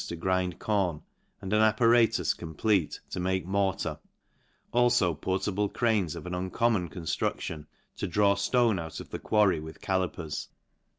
to grind corn, and an apparatus complete, to make mortar ; alfo portable cranes of an uncommon con duction, to draw ftoue out of the quarry with callipers.